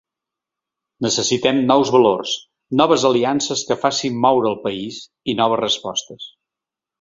Necessitem nous valors, noves aliances que facin moure el país i noves respostes.